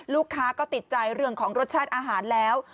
ลูกค้าก็ติดใจเรื่องของรสชาติอาหารแล้ว